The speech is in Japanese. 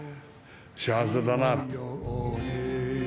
幸せだなあ。